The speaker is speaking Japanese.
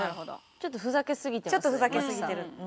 ちょっとふざけすぎてる！